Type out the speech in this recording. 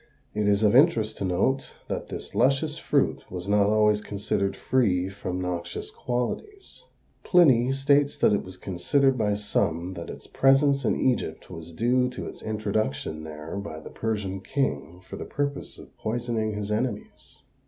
It is of interest to note that this luscious fruit was not always considered free from noxious qualities. Pliny states that it was considered by some that its presence in Egypt was due to its introduction there by the Persian king for the purpose of poisoning his enemies.